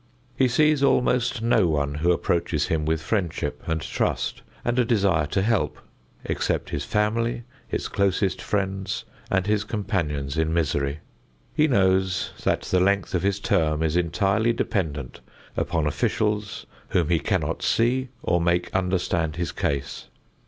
He sees almost no one who approaches him with friendship and trust and a desire to help, except his family, his closest friends and his companions in misery. He knows that the length of his term is entirely dependent upon officials whom he cannot see or make understand his case.